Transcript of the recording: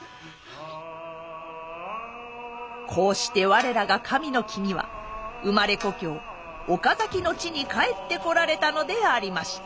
こうして我らが神の君は生まれ故郷岡崎の地に帰ってこられたのでありました。